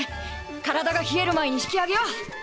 体が冷える前にひき上げよう！